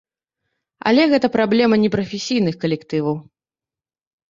Але гэта праблема непрафесійных калектываў.